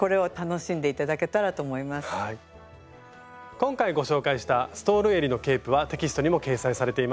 今回ご紹介した「ストールえりのケープ」はテキストにも掲載されています。